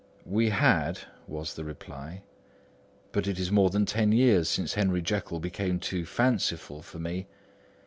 "We had," was the reply. "But it is more than ten years since Henry Jekyll became too fanciful for me.